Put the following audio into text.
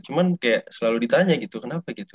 cuman kayak selalu ditanya gitu kenapa gitu